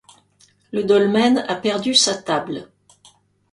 Le dolmen a perdu sa table.